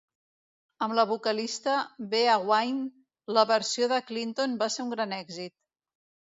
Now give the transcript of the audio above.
Amb la vocalista Bea Wain, la versió de Clinton va ser un gran èxit.